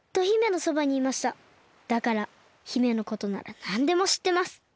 だから姫のことならなんでもしってます。